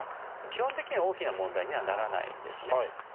基本的には大きな問題にはならないんですね。